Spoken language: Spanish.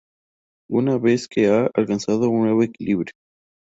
Una vez que ha alcanzado un nuevo equilibrio.